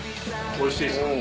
おいしいですか？